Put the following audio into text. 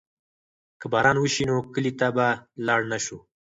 که باران وشي نو کلي ته به لاړ نه شو.